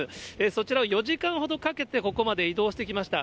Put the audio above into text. そちらを４時間ほどかけてここまで移動してきました。